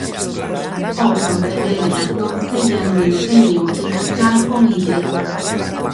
O Pontevedra non cella no empeño de cazar o líder.